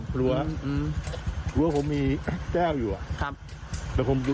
ประตูเลื่อนเพื่อจะหนี